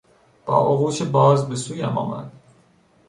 با آغوش باز به سویم آمد.